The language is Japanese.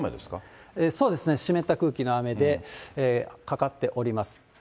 そうですね、湿った空気の雨で、かかっております。